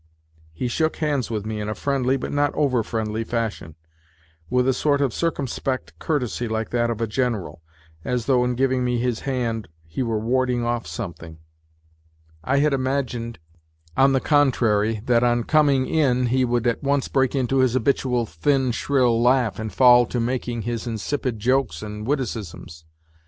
He shook hands with me in a friendly, but not over friendly, fashion, with a sort of circumspect courtesy like that of a General, as though in giving me his hand he were warding off something. I had imagined, 106 NOTES FROM UNDERGROUND on the contrary, that on coming in he would at once break into his habitual thin, shrill laugh and fall to making his insipid jokes and witticisms.